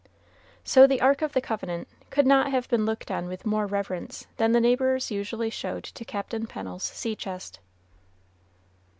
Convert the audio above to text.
So the ark of the covenant could not have been looked on with more reverence than the neighbors usually showed to Captain Pennel's sea chest.